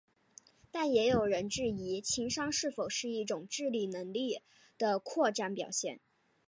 但也有人质疑情商是否是一种智力能力的扩展表现。